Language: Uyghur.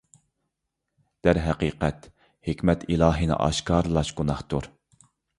دەرھەقىقەت، ھېكمەت ئىلاھىنى ئاشكارىلاش گۇناھتۇر.